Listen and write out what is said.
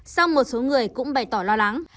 sau một số người cũng bày tỏ lo lắng